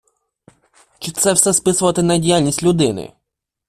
Чи це все списувати на діяльність людини?